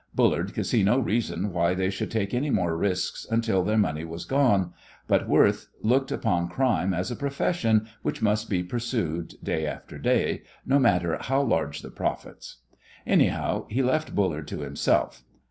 Bullard could see no reason why they should take any more risks until their money was gone, but Worth looked upon crime as a profession which must be pursued day after day, no matter how large the profits. Anyhow, he left Bullard to himself.